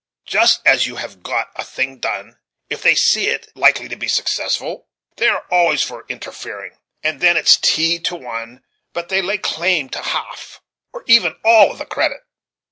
Just as you have got a thing done, if they see it likely to be successful, they are always for interfering; and then it's tea to one but they lay claim to half, or even all of the credit.